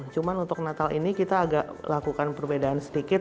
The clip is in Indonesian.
cuma untuk natal ini kita agak lakukan perbedaan sedikit